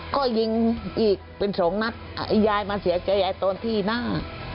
ก็ยิงอีกเป็นสองนัดไอ้ยายมาเสียใจยายตอนที่หน้า